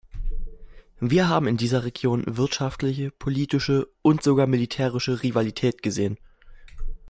Wir haben in dieser Region wirtschaftliche, politische und sogar militärische Rivalität gesehen.